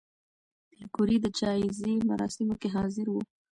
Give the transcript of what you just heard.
پېیر کوري د جایزې مراسمو کې حاضر و؟